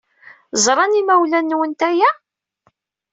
Ẓran yimawlan-nwent aya?